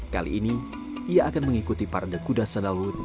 kali ini ia akan mengikuti parade kuda sandalwood